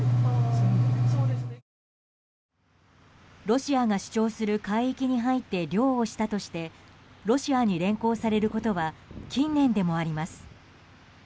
ロシアが主張する海域に入って漁をしたとしてロシアに連行されることは近年でもあります。